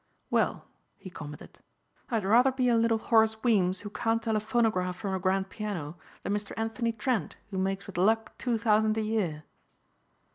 "Well," he commented, "I'd rather be little Horace Weems, who can't tell a phonograph from a grand piano than Mr. Anthony Trent, who makes with luck two thousand a year."